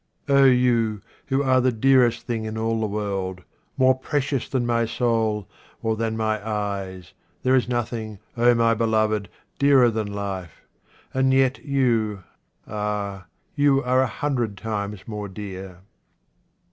O you who are the dearest thing in all the 69 QUATRAINS OF OMAR KHAYYAM world, more precious than my soul or than my eyes, there is nothing, O my beloved, dearer than life, and yet you, ah ! you are a hundred times more dear.